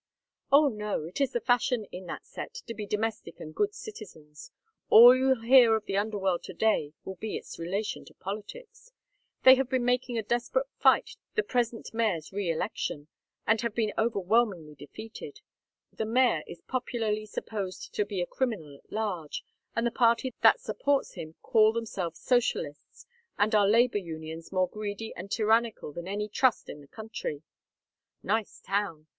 "Oh no, it is the fashion in that set to be domestic and good citizens. All you'll hear of the underworld to day will be its relation to politics. They have been making a desperate fight to defeat the present mayor's reëlection and have been overwhelmingly defeated. The mayor is popularly supposed to be a criminal at large, and the party that supports him call themselves socialists, and are labor unions more greedy and tyrannical than any Trust in the country. Nice town.